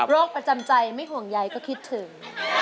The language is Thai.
ประจำใจไม่ห่วงใยก็คิดถึง